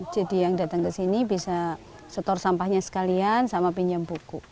jadi yang datang ke sini bisa setor sampahnya sekalian sama pinjam buku